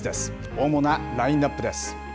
主なラインナップです。